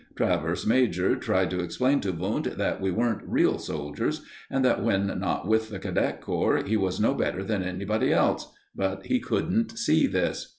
Travers major tried to explain to Wundt that we weren't real soldiers, and that, when not with the cadet corps, he was no better than anybody else, but he couldn't see this.